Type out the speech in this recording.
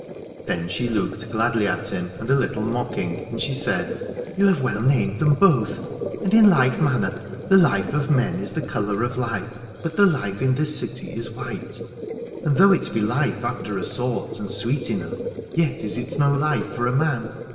Then she looked gladly at him and a little mock ing, and she said : You have well named them both. And in like manner the life of men is of the colour of life, but the life in this city is white, and though it be life after a sort, and sweet enough, yet is it no life for a man.